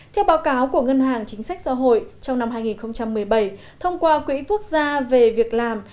theo báo cáo của ngân hàng chính sách xã hội trong năm hai nghìn một mươi bảy thông qua quỹ quốc gia về việc làm